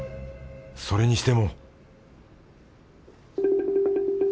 それにしても